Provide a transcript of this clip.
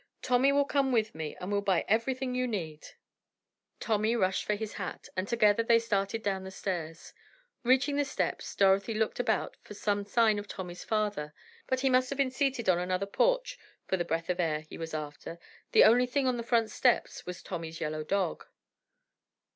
"Tommy will come with me and we'll buy everything you need." Tommy rushed for his hat, and together they started down the stairs. Reaching the steps, Dorothy looked about for some sign of Tommy's father, but he must have been seated on another porch for the breath of air he was after; the only thing on the front steps was Tommy's yellow dog.